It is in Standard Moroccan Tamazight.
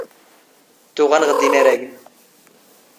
ⵜⵓⵖⴰ ⵏⵖ ⴷ ⵉⵏⴰⵔⴰⴳⵏ.